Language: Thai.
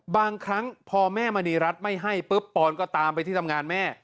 บางครั้งพอแม่มณีรัฐไม่ให้ปุ๊บปอนก็ตามไปที่ทำงานแม่